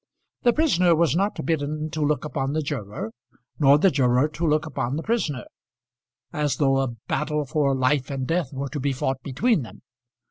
The prisoner was not bidden to look upon the juror, nor the juror to look upon the prisoner, as though a battle for life and death were to be fought between them.